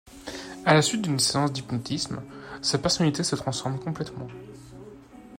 À la suite d'une séance d'hypnotisme, sa personnalité se transforme complètement.